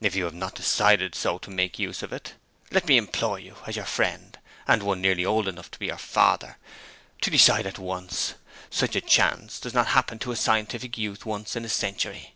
'If you have not decided so to make use of it, let me implore you, as your friend, and one nearly old enough to be your father, to decide at once. Such a chance does not happen to a scientific youth once in a century.'